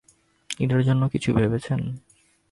ঈদের জন্য কিছু ভেবেছেন?